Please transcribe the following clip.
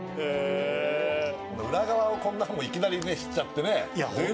裏側をこんなもういきなり知っちゃってね